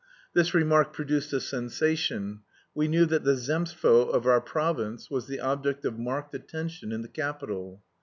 This remark produced a sensation; we knew that the Zemstvo of our province was the object of marked attention in the capital.